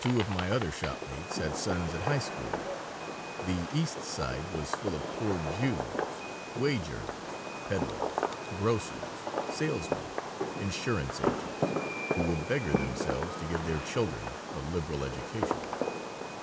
Two of my other shopmates had sons at high school. The East Side was full of poor Jews wage earners, peddlers, grocers, salesmen, insurance agents who would beggar themselves to give their children a liberal education.